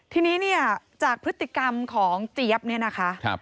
ทีนี้เนี่ยจากพฤติกรรมของเจี๊ยบเนี่ยนะคะ